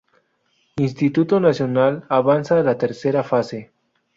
Instituto Nacional avanza a la tercera fase.